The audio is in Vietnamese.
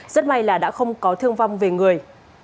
rất may là đã không có thương vong về người